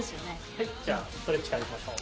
はいじゃあストレッチからいきましょう。